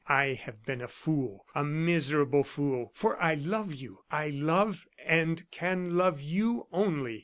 I have been a fool a miserable fool for I love you; I love, and can love you only.